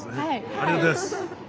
ありがとうございます。